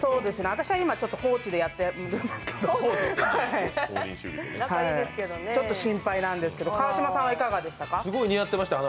私は今、放置でやってるんですけど、ちょっと心配なんですけど、川島さんはいかがてしたか？